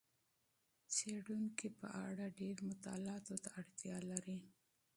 څېړونکي په اړه ډېرې مطالعاتو ته اړتیا لري.